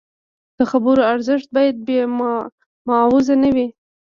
د خبرو ارزښت باید بې معاوضې نه وي.